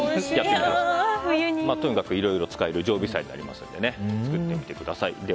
とにかくいろいろ使える常備菜になるので作ってみてください。